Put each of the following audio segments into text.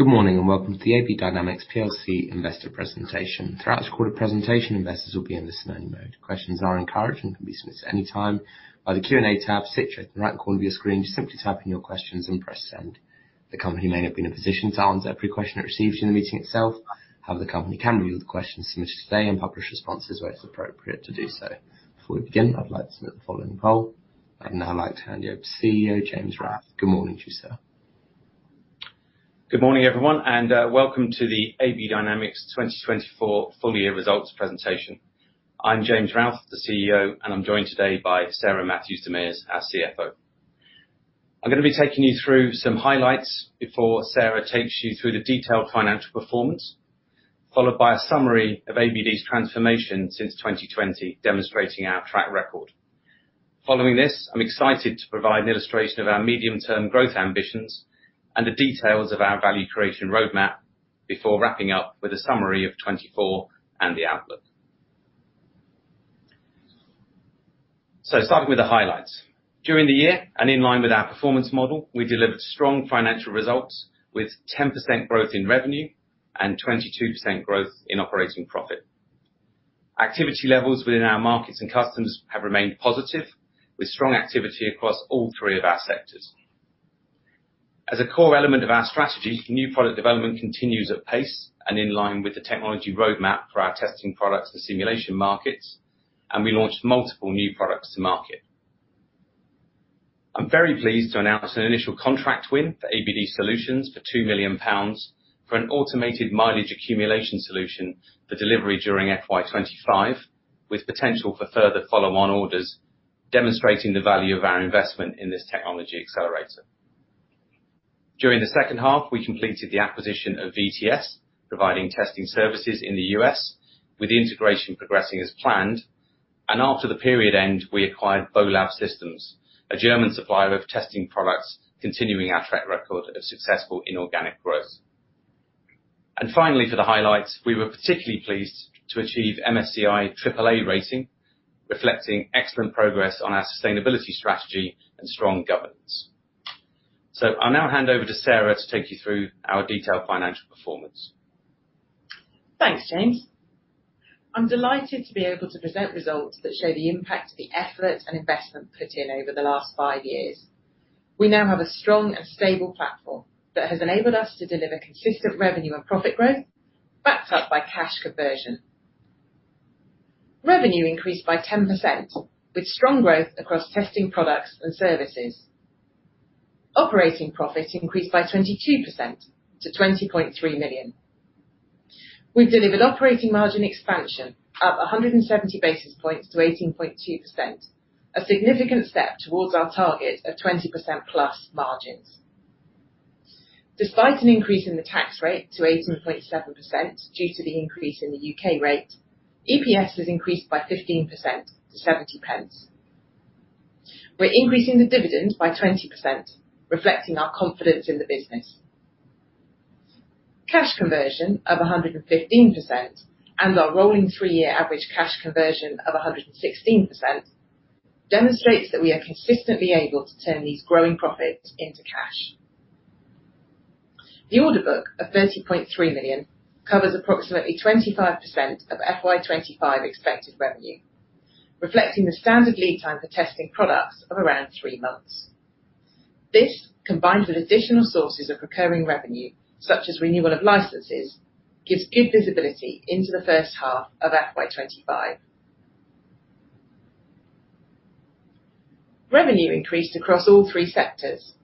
Good morning and welcome to the AB Dynamics PLC investor presentation. Throughout this recorded presentation, investors will be in listen-only mode. Questions are encouraged and can be submitted at any time via the Q&A tab, situated in the right corner of your screen. Just simply type in your questions and press send. The company may not be in a position to answer every question it receives during the meeting itself; however, the company can review the questions submitted today and publish responses where it's appropriate to do so. Before we begin, I'd like to submit the following poll. I'd now like to hand you over to CEO James Routh. Good morning to you, sir. Good morning, everyone, and welcome to the AB Dynamics 2024 full-year results presentation. I'm James Routh, the CEO, and I'm joined today by Sarah Matthews-DeMers, our CFO. I'm going to be taking you through some highlights before Sarah takes you through the detailed financial performance, followed by a summary of ABD's transformation since 2020, demonstrating our track record. Following this, I'm excited to provide an illustration of our medium-term growth ambitions and the details of our value creation roadmap before wrapping up with a summary of 2024 and the outlook. Starting with the highlights. During the year, and in line with our performance model, we delivered strong financial results with 10% growth in revenue and 22% growth in operating profit. Activity levels within our markets and customers have remained positive, with strong activity across all three of our sectors. As a core element of our strategy, new product development continues at pace and in line with the technology roadmap for our testing products and simulation markets, and we launched multiple new products to market. I'm very pleased to announce an initial contract win for ABD Solutions for 2 million pounds for an automated mileage accumulation solution for delivery during FY 2025, with potential for further follow-on orders, demonstrating the value of our investment in this technology accelerator. During the second half, we completed the acquisition of VTS, providing testing services in the U.S., with integration progressing as planned. And after the period end, we acquired BOLAB Systems, a German supplier of testing products, continuing our track record of successful inorganic growth. And finally, for the highlights, we were particularly pleased to achieve MSCI AAA rating, reflecting excellent progress on our sustainability strategy and strong governance. I'll now hand over to Sarah to take you through our detailed financial performance. Thanks, James. I'm delighted to be able to present results that show the impact of the effort and investment put in over the last five years. We now have a strong and stable platform that has enabled us to deliver consistent revenue and profit growth, backed up by cash conversion. Revenue increased by 10%, with strong growth across testing products and services. Operating profit increased by 22% to 20.3 million. We've delivered operating margin expansion up 170 basis points to 18.2%, a significant step towards our target of 20% plus margins. Despite an increase in the tax rate to 18.7% due to the increase in the U.K. rate, EPS has increased by 15% to 0.70. We're increasing the dividend by 20%, reflecting our confidence in the business. Cash conversion of 115% and our rolling three-year average cash conversion of 116% demonstrates that we are consistently able to turn these growing profits into cash. The order book of £30.3 million covers approximately 25% of FY 2025 expected revenue, reflecting the standard lead time for testing products of around three months. This, combined with additional sources of recurring revenue, such as renewal of licenses, gives good visibility into the first half of FY 2025. Revenue increased across all three sectors.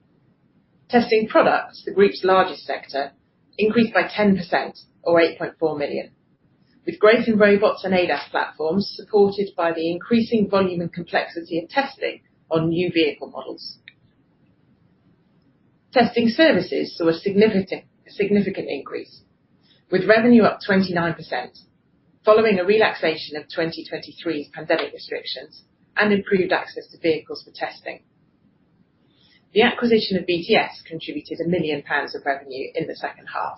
Testing products, the group's largest sector, increased by 10%, or £8.4 million, with growth in robots and ADAS platforms supported by the increasing volume and complexity of testing on new vehicle models. Testing services saw a significant increase, with revenue up 29%, following a relaxation of 2023's pandemic restrictions and improved access to vehicles for testing. The acquisition of VTS contributed £1 million of revenue in the second half.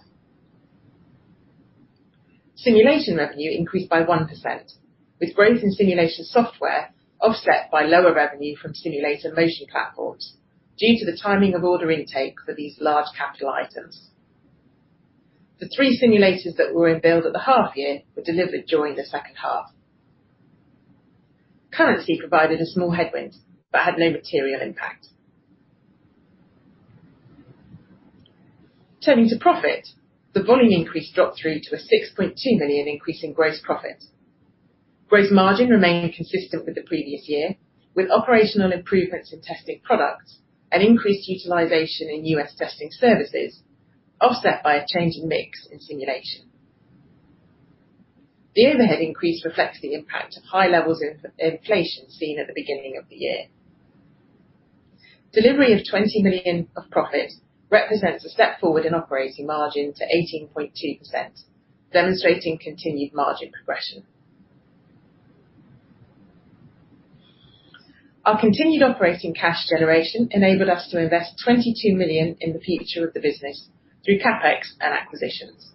Simulation revenue increased by 1%, with growth in simulation software offset by lower revenue from simulator motion platforms due to the timing of order intake for these large capital items. The three simulators that were in build at the half-year were delivered during the second half. Currency provided a small headwind but had no material impact. Turning to profit, the volume increase dropped through to a 6.2 million increase in gross profit. Gross margin remained consistent with the previous year, with operational improvements in testing products and increased utilization in U.S. testing services offset by a changing mix in simulation. The overhead increase reflects the impact of high levels of inflation seen at the beginning of the year. Delivery of 20 million of profit represents a step forward in operating margin to 18.2%, demonstrating continued margin progression. Our continued operating cash generation enabled us to invest 22 million in the future of the business through CapEx and acquisitions.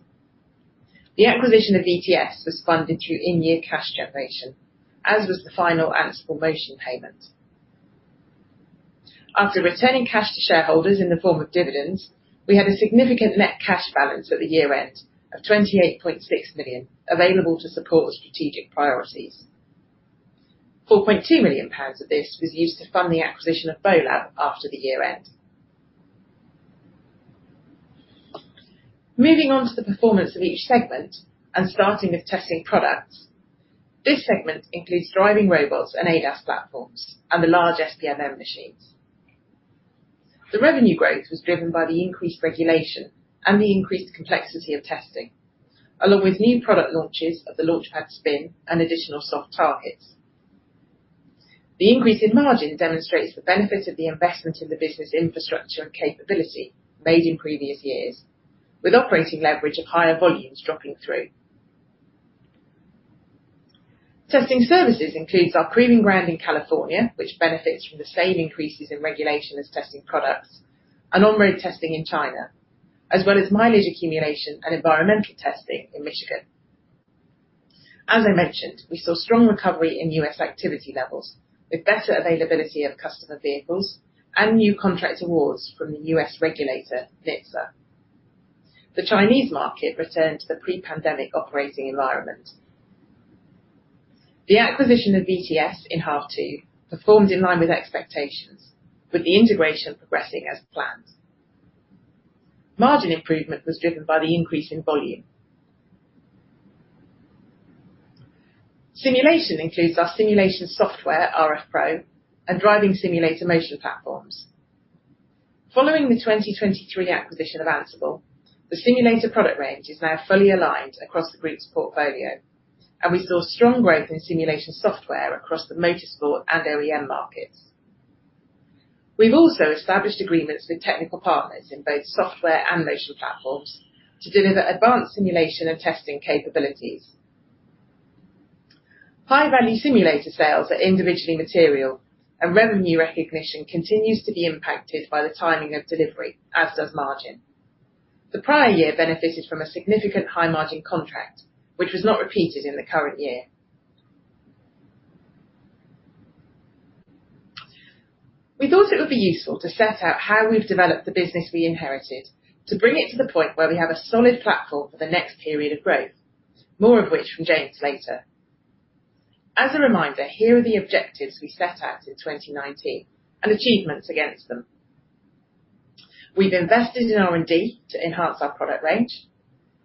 The acquisition of VTS was funded through in-year cash generation, as was the final Ansible Motion payment. After returning cash to shareholders in the form of dividends, we had a significant net cash balance at the year-end of 28.6 million available to support strategic priorities. 4.2 million pounds of this was used to fund the acquisition of BOLAB after the year-end. Moving on to the performance of each segment and starting with testing products, this segment includes driving robots and ADAS platforms and the large SPMM machines. The revenue growth was driven by the increased regulation and the increased complexity of testing, along with new product launches of the LaunchPad Spin and additional soft targets. The increase in margin demonstrates the benefit of the investment in the business infrastructure and capability made in previous years, with operating leverage of higher volumes dropping through. Testing services includes our proving ground in California, which benefits from the same increases in regulation as testing products, and on-road testing in China, as well as mileage accumulation and environmental testing in Michigan. As I mentioned, we saw strong recovery in U.S. activity levels, with better availability of customer vehicles and new contract awards from the U.S. regulator NHTSA. The Chinese market returned to the pre-pandemic operating environment. The acquisition of VTS in H2 performed in line with expectations, with the integration progressing as planned. Margin improvement was driven by the increase in volume. Simulation includes our simulation software, rFpro, and driving simulator motion platforms. Following the 2023 acquisition of Ansible Motion, the simulator product range is now fully aligned across the group's portfolio, and we saw strong growth in simulation software across the motorsport and OEM markets. We've also established agreements with technical partners in both software and motion platforms to deliver advanced simulation and testing capabilities. High-value simulator sales are individually material, and revenue recognition continues to be impacted by the timing of delivery, as does margin. The prior year benefited from a significant high-margin contract, which was not repeated in the current year. We thought it would be useful to set out how we've developed the business we inherited to bring it to the point where we have a solid platform for the next period of growth, more of which from James later. As a reminder, here are the objectives we set out in 2019 and achievements against them. We've invested in R&D to enhance our product range,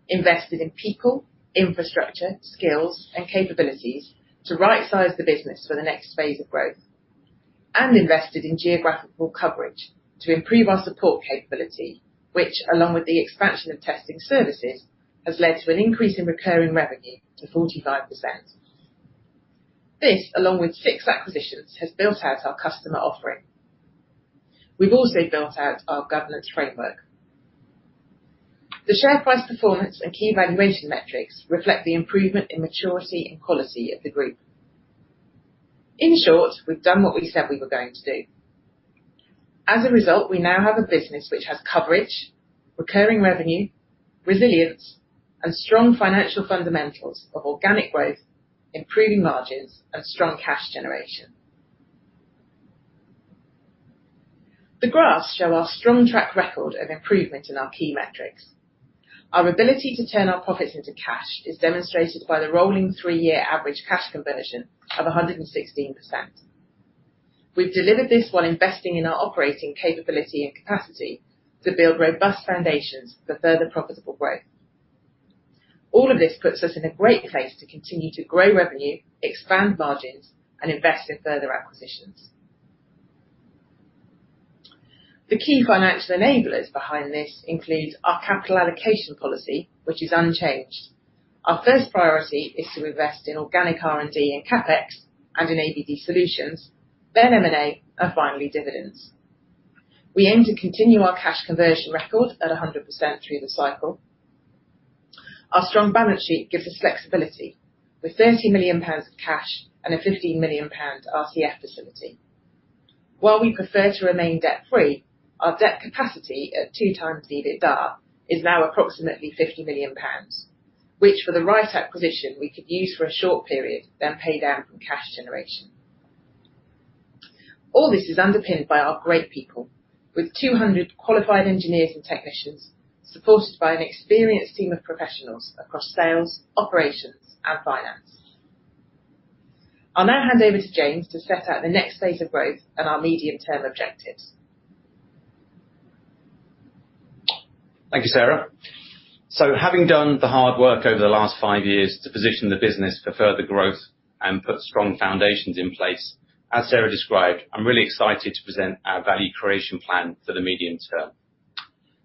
invested in people, infrastructure, skills, and capabilities to right-size the business for the next phase of growth, and invested in geographical coverage to improve our support capability, which, along with the expansion of testing services, has led to an increase in recurring revenue to 45%. This, along with six acquisitions, has built out our customer offering. We've also built out our governance framework. The share price performance and key valuation metrics reflect the improvement in maturity and quality of the group. In short, we've done what we said we were going to do. As a result, we now have a business which has coverage, recurring revenue, resilience, and strong financial fundamentals of organic growth, improving margins, and strong cash generation. The graphs show our strong track record of improvement in our key metrics. Our ability to turn our profits into cash is demonstrated by the rolling three-year average cash conversion of 116%. We've delivered this while investing in our operating capability and capacity to build robust foundations for further profitable growth. All of this puts us in a great place to continue to grow revenue, expand margins, and invest in further acquisitions. The key financial enablers behind this include our capital allocation policy, which is unchanged. Our first priority is to invest in organic R&D and CapEx and in ABD Solutions, then M&A and finally dividends. We aim to continue our cash conversion record at 100% through the cycle. Our strong balance sheet gives us flexibility, with 30 million pounds of cash and a 15 million pound RCF facility. While we prefer to remain debt-free, our debt capacity at two times EBITDA is now approximately 50 million pounds, which, for the right acquisition, we could use for a short period, then pay down from cash generation. All this is underpinned by our great people, with 200 qualified engineers and technicians supported by an experienced team of professionals across sales, operations, and finance. I'll now hand over to James to set out the next phase of growth and our medium-term objectives. Thank you, Sarah. So, having done the hard work over the last five years to position the business for further growth and put strong foundations in place, as Sarah described, I'm really excited to present our value creation plan for the medium term.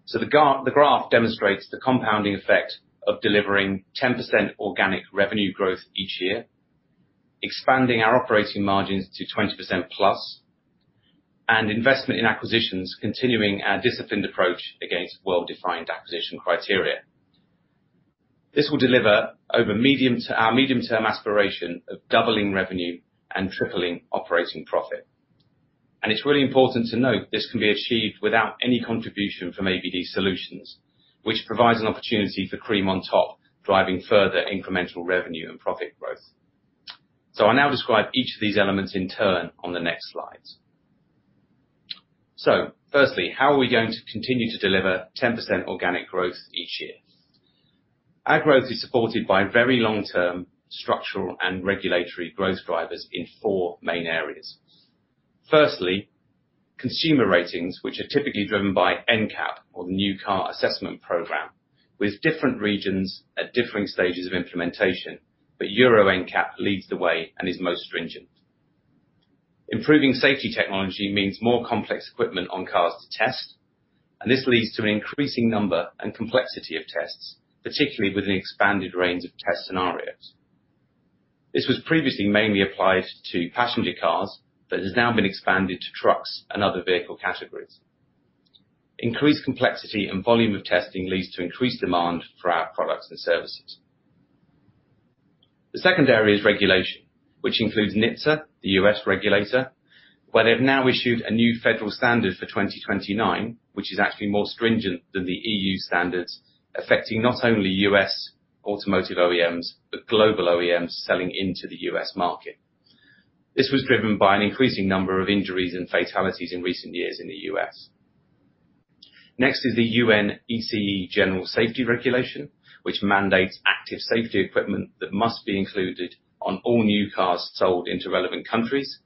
So, the graph demonstrates the compounding effect of delivering 10% organic revenue growth each year, expanding our operating margins to 20% plus, and investment in acquisitions, continuing our disciplined approach against well-defined acquisition criteria. This will deliver our medium-term aspiration of doubling revenue and tripling operating profit. And it's really important to note this can be achieved without any contribution from ABD Solutions, which provides an opportunity for cream on top, driving further incremental revenue and profit growth. So, I'll now describe each of these elements in turn on the next slides. So, firstly, how are we going to continue to deliver 10% organic growth each year? Our growth is supported by very long-term structural and regulatory growth drivers in four main areas. Firstly, consumer ratings, which are typically driven by NCAP, or the New Car Assessment Program, with different regions at differing stages of implementation, but Euro NCAP leads the way and is most stringent. Improving safety technology means more complex equipment on cars to test, and this leads to an increasing number and complexity of tests, particularly with an expanded range of test scenarios. This was previously mainly applied to passenger cars, but has now been expanded to trucks and other vehicle categories. Increased complexity and volume of testing leads to increased demand for our products and services. The second area is regulation, which includes NHTSA, the U.S. regulator, where they've now issued a new federal standard for 2029, which is actually more stringent than the EU standards, affecting not only U.S. automotive OEMs but global OEMs selling into the U.S. market. This was driven by an increasing number of injuries and fatalities in recent years in the U.S. Next is the UN ECE General Safety Regulation, which mandates active safety equipment that must be included on all new cars sold into relevant countries,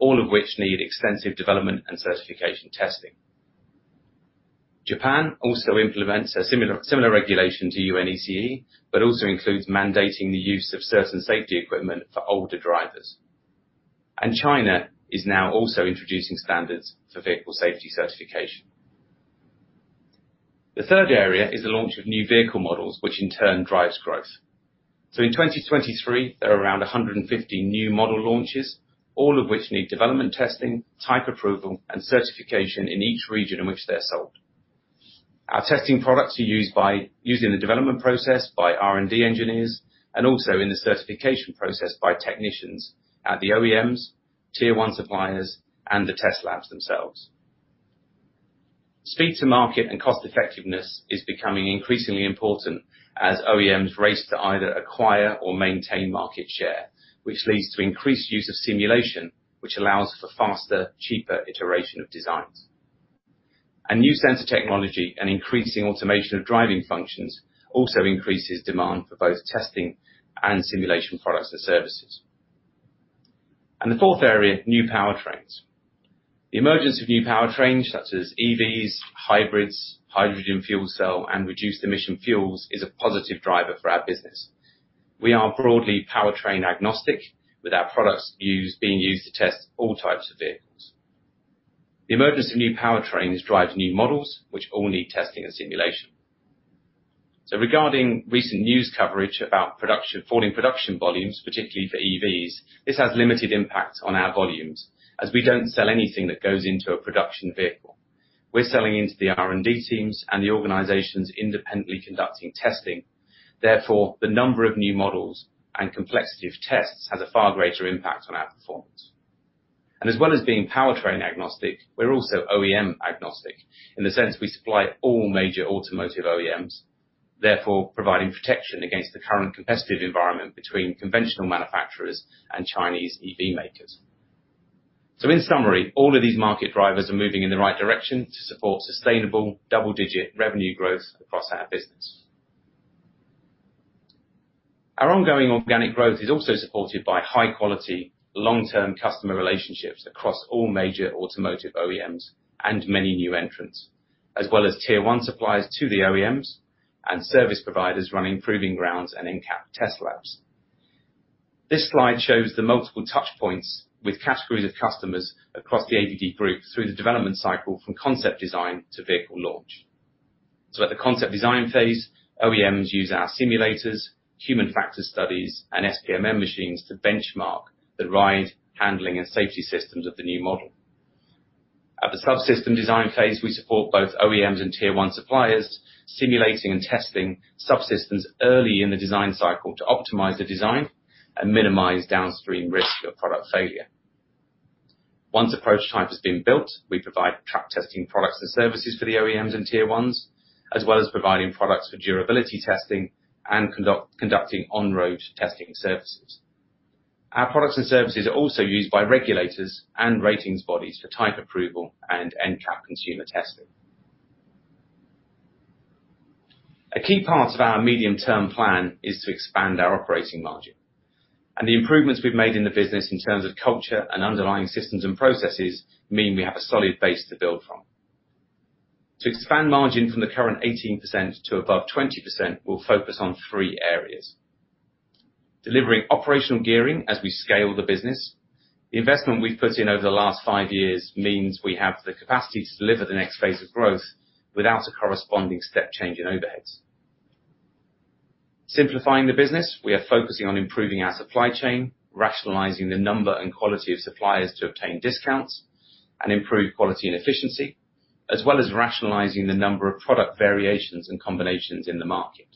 all of which need extensive development and certification testing. Japan also implements a similar regulation to UN ECE, but also includes mandating the use of certain safety equipment for older drivers. China is now also introducing standards for vehicle safety certification. The third area is the launch of new vehicle models, which in turn drives growth. In 2023, there are around 150 new model launches, all of which need development testing, type approval, and certification in each region in which they're sold. Our testing products are used in the development process by R&D engineers and also in the certification process by technicians at the OEMs, Tier 1 suppliers, and the test labs themselves. Speed to market and cost effectiveness is becoming increasingly important as OEMs race to either acquire or maintain market share, which leads to increased use of simulation, which allows for faster, cheaper iteration of designs. New sensor technology and increasing automation of driving functions also increases demand for both testing and simulation products and services. The fourth area, new powertrains. The emergence of new powertrains, such as EVs, hybrids, hydrogen fuel cells, and reduced emission fuels, is a positive driver for our business. We are broadly powertrain agnostic, with our products being used to test all types of vehicles. The emergence of new powertrains drives new models, which all need testing and simulation. So, regarding recent news coverage about falling production volumes, particularly for EVs, this has limited impact on our volumes, as we don't sell anything that goes into a production vehicle. We're selling into the R&D teams and the organizations independently conducting testing. Therefore, the number of new models and complexity of tests has a far greater impact on our performance. And as well as being powertrain agnostic, we're also OEM agnostic in the sense we supply all major automotive OEMs, therefore providing protection against the current competitive environment between conventional manufacturers and Chinese EV makers. So, in summary, all of these market drivers are moving in the right direction to support sustainable double-digit revenue growth across our business. Our ongoing organic growth is also supported by high-quality, long-term customer relationships across all major automotive OEMs and many new entrants, as well as Tier 1 suppliers to the OEMs and service providers running proving grounds and NCAP test labs. This slide shows the multiple touchpoints with categories of customers across the ABD group through the development cycle from concept design to vehicle launch. So, at the concept design phase, OEMs use our simulators, human factor studies, and SPMM machines to benchmark the ride, handling, and safety systems of the new model. At the subsystem design phase, we support both OEMs and Tier 1 suppliers simulating and testing subsystems early in the design cycle to optimize the design and minimize downstream risk of product failure. Once a prototype has been built, we provide track testing products and services for the OEMs and Tier 1s, as well as providing products for durability testing and conducting on-road testing services. Our products and services are also used by regulators and ratings bodies for type approval and NCAP consumer testing. A key part of our medium-term plan is to expand our operating margin. And the improvements we've made in the business in terms of culture and underlying systems and processes mean we have a solid base to build from. To expand margin from the current 18% to above 20%, we'll focus on three areas: delivering operational gearing as we scale the business. The investment we've put in over the last five years means we have the capacity to deliver the next phase of growth without a corresponding step change in overheads. Simplifying the business, we are focusing on improving our supply chain, rationalizing the number and quality of suppliers to obtain discounts and improve quality and efficiency, as well as rationalizing the number of product variations and combinations in the market,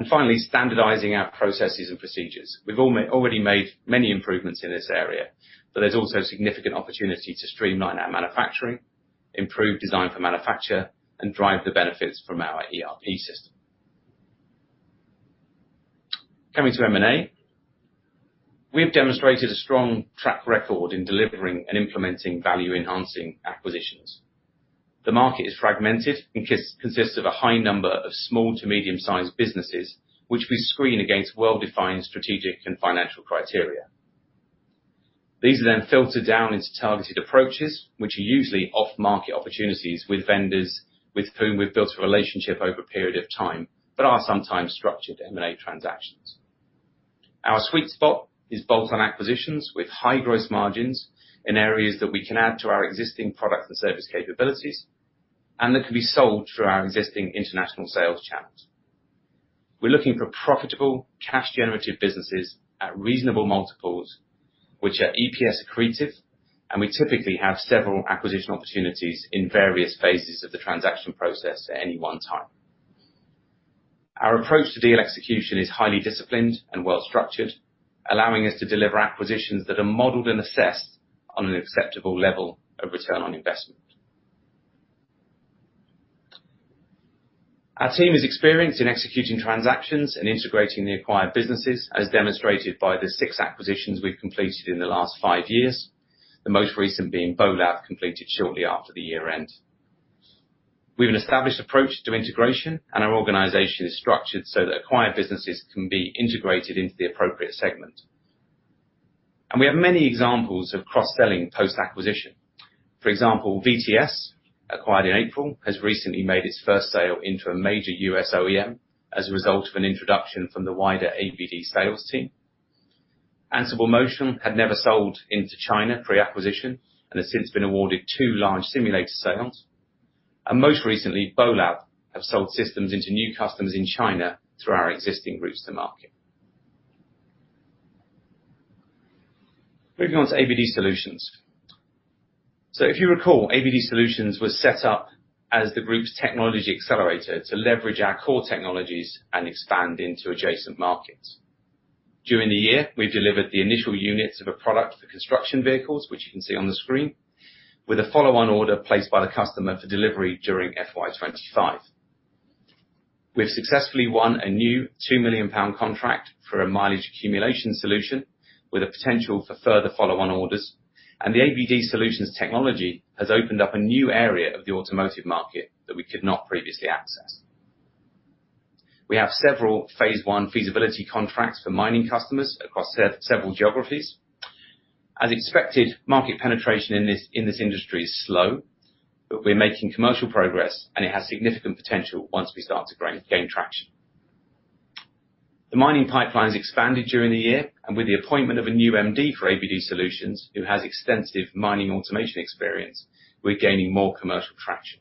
and finally, standardizing our processes and procedures. We've already made many improvements in this area, but there's also significant opportunity to streamline our manufacturing, improve design for manufacture, and drive the benefits from our ERP system. Coming to M&A, we have demonstrated a strong track record in delivering and implementing value-enhancing acquisitions. The market is fragmented and consists of a high number of small to medium-sized businesses, which we screen against well-defined strategic and financial criteria. These are then filtered down into targeted approaches, which are usually off-market opportunities with vendors with whom we've built a relationship over a period of time, but are sometimes structured M&A transactions. Our sweet spot is bolt-on acquisitions with high gross margins in areas that we can add to our existing product and service capabilities and that can be sold through our existing international sales channels. We're looking for profitable cash-generative businesses at reasonable multiples, which are EPS accretive, and we typically have several acquisition opportunities in various phases of the transaction process at any one time. Our approach to deal execution is highly disciplined and well-structured, allowing us to deliver acquisitions that are modeled and assessed on an acceptable level of return on investment. Our team is experienced in executing transactions and integrating the acquired businesses, as demonstrated by the six acquisitions we've completed in the last five years, the most recent being BOLAB completed shortly after the year-end. We have an established approach to integration, and our organization is structured so that acquired businesses can be integrated into the appropriate segment. And we have many examples of cross-selling post-acquisition. For example, VTS, acquired in April, has recently made its first sale into a major U.S. OEM as a result of an introduction from the wider ABD sales team. Ansible Motion had never sold into China pre-acquisition and has since been awarded two large simulator sales. And most recently, BOLAB have sold systems into new customers in China through our existing routes to market. Moving on to ABD Solutions. So, if you recall, ABD Solutions was set up as the group's technology accelerator to leverage our core technologies and expand into adjacent markets. During the year, we've delivered the initial units of a product for construction vehicles, which you can see on the screen, with a follow-on order placed by the customer for delivery during FY 2025. We've successfully won a new 2 million pound contract for a mileage accumulation solution with a potential for further follow-on orders, and the ABD Solutions technology has opened up a new area of the automotive market that we could not previously access. We have several phase one feasibility contracts for mining customers across several geographies. As expected, market penetration in this industry is slow, but we're making commercial progress, and it has significant potential once we start to gain traction. The mining pipeline has expanded during the year, and with the appointment of a new MD for ABD Solutions, who has extensive mining automation experience, we're gaining more commercial traction.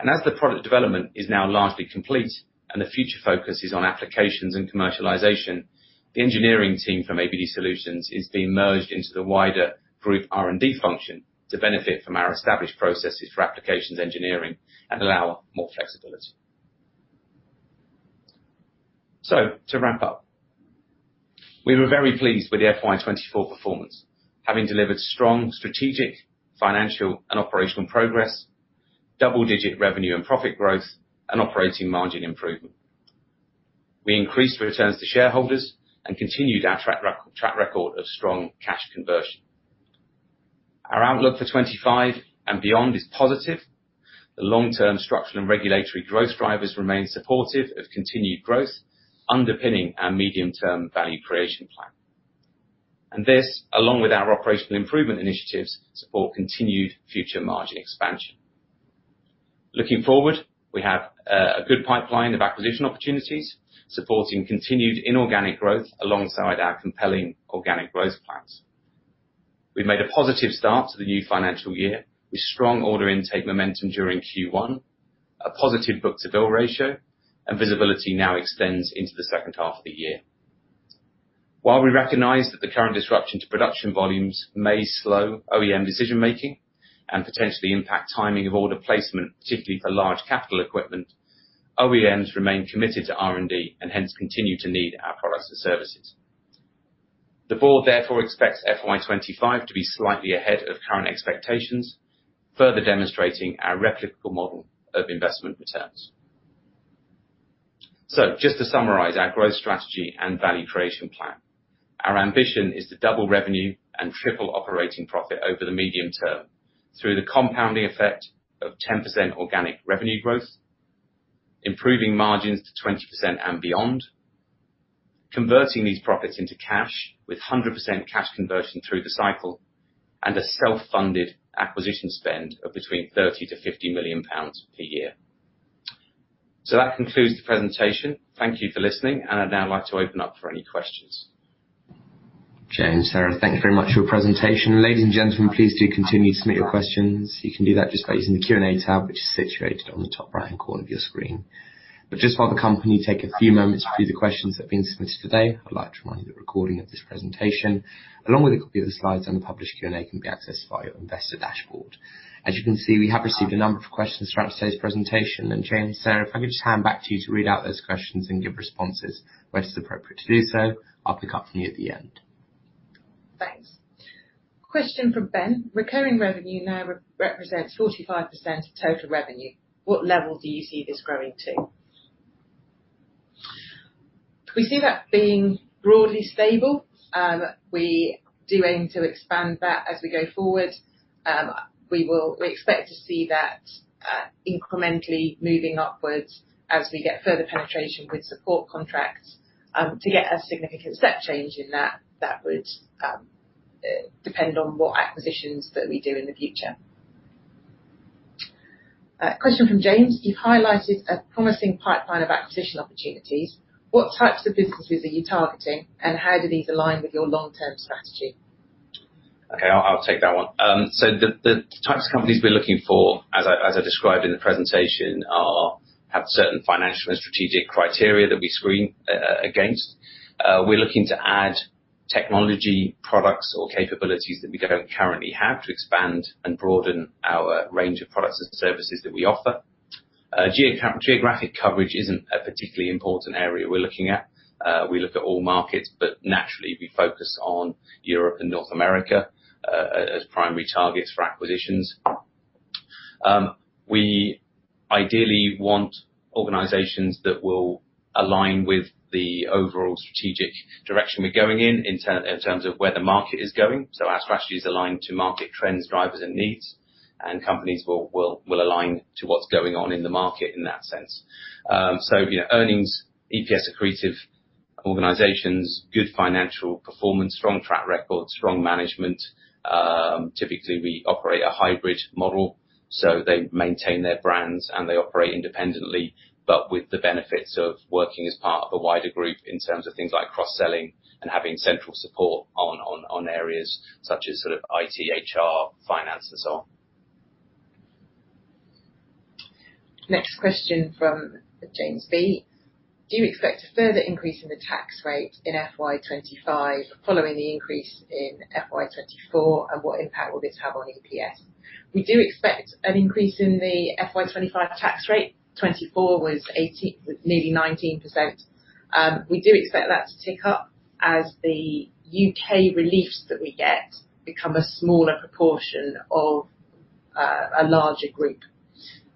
As the product development is now largely complete and the future focus is on applications and commercialization, the engineering team from ABD Solutions is being merged into the wider group R&D function to benefit from our established processes for applications engineering and allow more flexibility. To wrap up, we were very pleased with the FY 2024 performance, having delivered strong strategic, financial, and operational progress, double-digit revenue and profit growth, and operating margin improvement. We increased returns to shareholders and continued our track record of strong cash conversion. Our outlook for 2025 and beyond is positive. The long-term structural and regulatory growth drivers remain supportive of continued growth, underpinning our medium-term value creation plan. This, along with our operational improvement initiatives, supports continued future margin expansion. Looking forward, we have a good pipeline of acquisition opportunities supporting continued inorganic growth alongside our compelling organic growth plans. We've made a positive start to the new financial year with strong order intake momentum during Q1, a positive book-to-bill ratio, and visibility now extends into the second half of the year. While we recognize that the current disruption to production volumes may slow OEM decision-making and potentially impact timing of order placement, particularly for large capital equipment, OEMs remain committed to R&D and hence continue to need our products and services. The board therefore expects FY 2025 to be slightly ahead of current expectations, further demonstrating our replicable model of investment returns. Just to summarize our growth strategy and value creation plan, our ambition is to double revenue and triple operating profit over the medium term through the compounding effect of 10% organic revenue growth, improving margins to 20% and beyond, converting these profits into cash with 100% cash conversion through the cycle, and a self-funded acquisition spend of between 30-50 million pounds per year. That concludes the presentation. Thank you for listening, and I'd now like to open up for any questions. Okay, and Sarah, thank you very much for your presentation. Ladies and gentlemen, please do continue to submit your questions. You can do that just by using the Q&A tab, which is situated on the top right-hand corner of your screen. But just while the company takes a few moments to review the questions that have been submitted today, I'd like to remind you that the recording of this presentation, along with a copy of the slides and the published Q&A, can be accessed via your investor dashboard. As you can see, we have received a number of questions throughout today's presentation. And James, Sarah, if I could just hand back to you to read out those questions and give responses where it is appropriate to do so, I'll pick up from you at the end. Thanks. Question from Ben. Recurring revenue now represents 45% of total revenue. What level do you see this growing to? We see that being broadly stable. We do aim to expand that as we go forward. We expect to see that incrementally moving upwards as we get further penetration with support contracts to get a significant step change in that. That would depend on what acquisitions that we do in the future. Question from James. You've highlighted a promising pipeline of acquisition opportunities. What types of businesses are you targeting, and how do these align with your long-term strategy? Okay, I'll take that one. So, the types of companies we're looking for, as I described in the presentation, have certain financial and strategic criteria that we screen against. We're looking to add technology products or capabilities that we don't currently have to expand and broaden our range of products and services that we offer. Geographic coverage isn't a particularly important area we're looking at. We look at all markets, but naturally, we focus on Europe and North America as primary targets for acquisitions. We ideally want organizations that will align with the overall strategic direction we're going in in terms of where the market is going. So, our strategy is aligned to market trends, drivers, and needs, and companies will align to what's going on in the market in that sense. So, earnings, EPS accretive organizations, good financial performance, strong track record, strong management. Typically, we operate a hybrid model, so they maintain their brands and they operate independently, but with the benefits of working as part of a wider group in terms of things like cross-selling and having central support on areas such as sort of IT, HR, finance, and so on. Next question from James B. Do you expect a further increase in the tax rate in FY 2025 following the increase in FY 2024, and what impact will this have on EPS? We do expect an increase in the FY 2025 tax rate. 2024 was nearly 19%. We do expect that to tick up as the U.K. reliefs that we get become a smaller proportion of a larger group.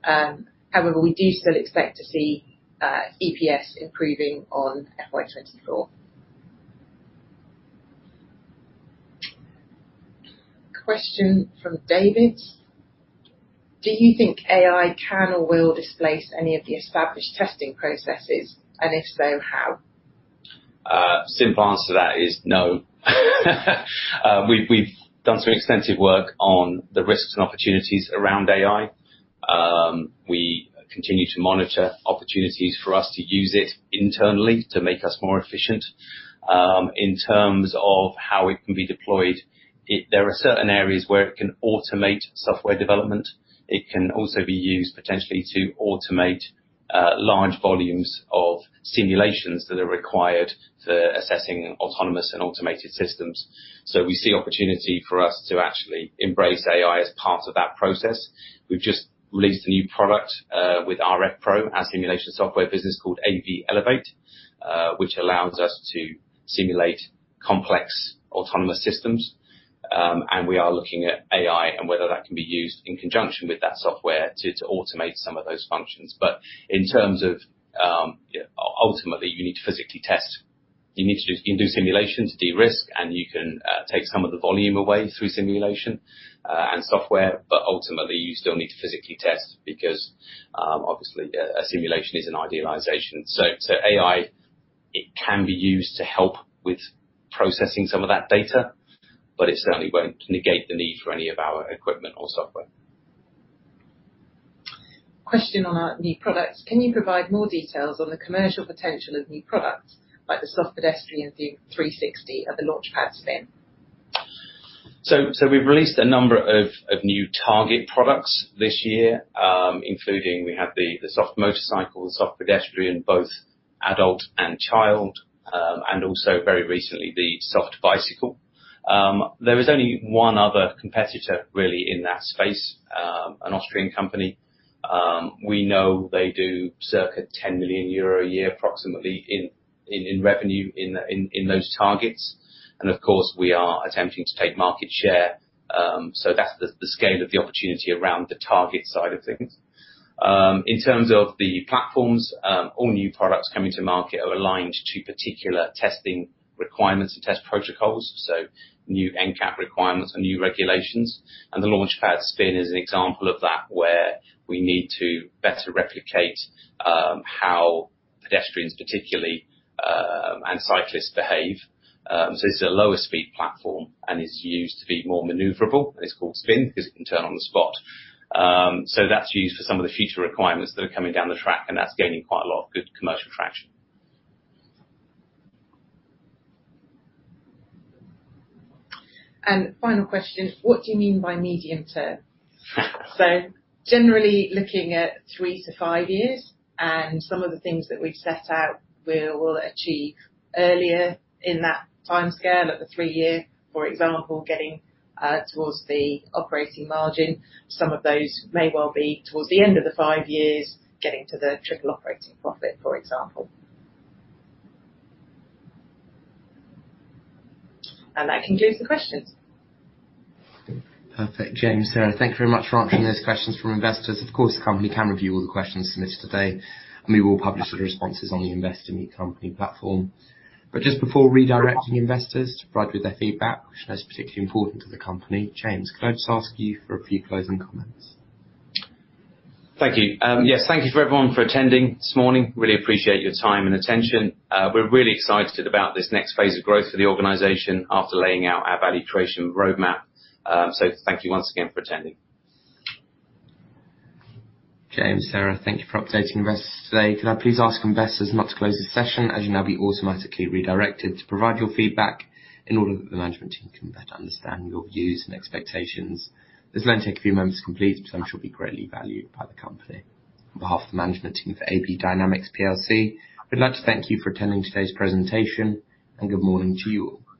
However, we do still expect to see EPS improving on 24. Question from David. Do you think AI can or will displace any of the established testing processes, and if so, how? Simple answer to that is no. We've done some extensive work on the risks and opportunities around AI. We continue to monitor opportunities for us to use it internally to make us more efficient. In terms of how it can be deployed, there are certain areas where it can automate software development. It can also be used potentially to automate large volumes of simulations that are required for assessing autonomous and automated systems. So, we see opportunity for us to actually embrace AI as part of that process. We've just released a new product with rFpro, our simulation software business called AV Elevate, which allows us to simulate complex autonomous systems, and we are looking at AI and whether that can be used in conjunction with that software to automate some of those functions, but in terms of ultimately, you need to physically test. You need to do simulation to de-risk, and you can take some of the volume away through simulation and software, but ultimately, you still need to physically test because, obviously, a simulation is an idealization, so AI can be used to help with processing some of that data, but it certainly won't negate the need for any of our equipment or software. Question on our new products. Can you provide more details on the commercial potential of new products like the Soft Pedestrian 360 and the Launchpad Spin? So, we've released a number of new target products this year, including we have the Soft Motorcycle, the Soft Pedestrian, both adult and child, and also very recently, the Soft Bicycle. There is only one other competitor, really, in that space, an Austrian company. We know they do circa 10 million euro a year approximately in revenue in those targets. And of course, we are attempting to take market share. So, that's the scale of the opportunity around the target side of things. In terms of the platforms, all new products coming to market are aligned to particular testing requirements and test protocols, so new NCAP requirements and new regulations. And the Launchpad Spin is an example of that where we need to better replicate how pedestrians, particularly, and cyclists behave. So, this is a lower-speed platform and is used to be more maneuverable. It's called Spin because it can turn on the spot. So, that's used for some of the future requirements that are coming down the track, and that's gaining quite a lot of good commercial traction. And final question, what do you mean by medium term? So, generally looking at three to five years and some of the things that we've set out we'll achieve earlier in that time scale at the three-year, for example, getting towards the operating margin. Some of those may well be towards the end of the five years, getting to the triple operating profit, for example. And that concludes the questions. Perfect. James, Sarah, thank you very much for answering those questions from investors. Of course, the company can review all the questions submitted today, and we will publish the responses on the Investor Meet Company platform. But just before redirecting investors to provide with their feedback, which is particularly important to the company, James, could I just ask you for a few closing comments? Thank you. Yes, thank you for everyone for attending this morning. Really appreciate your time and attention. We're really excited about this next phase of growth for the organization after laying out our value creation roadmap. So, thank you once again for attending. James, Sarah, thank you for updating investors today. Could I please ask investors not to close the session? As you know, we automatically redirected to provide your feedback in order that the management team can better understand your views and expectations. This will only take a few moments to complete, but I'm sure it'll be greatly valued by the company. On behalf of the management team for AB Dynamics PLC, we'd like to thank you for attending today's presentation, and good morning to you all.